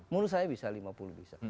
menurut saya bisa lima puluh bisa